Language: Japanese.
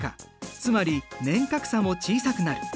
つまり年較差も小さくなる。